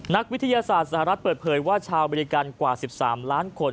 นักวิทยาศาสตร์สหรัฐเปิดเผยว่าชาวอเมริกันกว่า๑๓ล้านคน